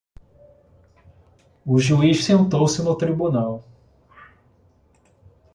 O juiz sentou-se no tribunal.